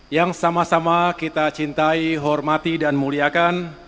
yang sama sama kita cintai hormati dan muliakan